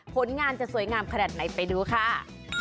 ผลงานจะสวยงามขนาดไหนไปดูค่ะ